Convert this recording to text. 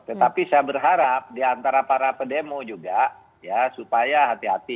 tetapi saya berharap di antara para pedemo juga supaya hati hati